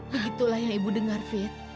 begitulah yang ibu dengar fit